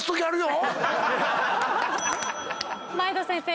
前田先生。